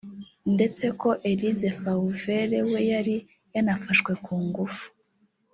ndetse ko Elise Fauvel we yari yanafashwe ku ngufu